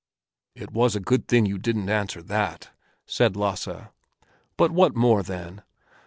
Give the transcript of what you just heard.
"It was a good thing you didn't answer that," said Lasse; "but what more then?"